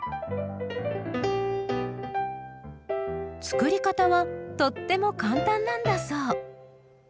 作り方はとっても簡単なんだそう。